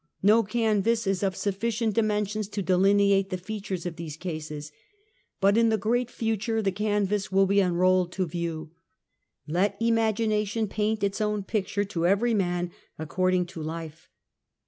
ISTo canvas is of sufficient dimensions to delineate the features of these cases. But in the great future the canvases will be unrolled to view. Let imagi nation paint its own picture to every man according to life.